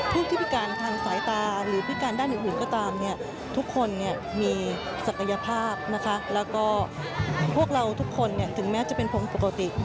ผู้ที่พิการทางสายตาหรือพิการด้านอื่นก็ตามทุกคนมีศักยภาพนะคะแล้วก็พวกเราทุกคนถึงแม้จะเป็นผมปกติ